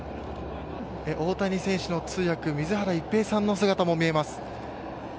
大谷選手の通訳水原一平さんの姿も見えます。